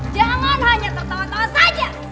jangan hanya tertawa tawa saja